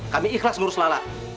kami ikhlas mengurus lala